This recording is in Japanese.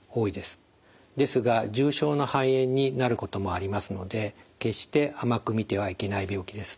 ですが重症の肺炎になることもありますので決して甘くみてはいけない病気です。